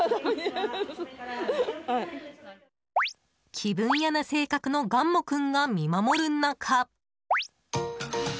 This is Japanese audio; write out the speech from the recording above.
気分屋な性格のがんも君が見守る中。